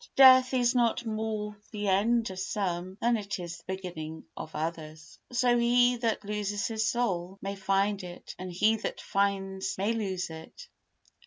Death is not more the end of some than it is the beginning of others. So he that loses his soul may find it, and he that finds may lose it.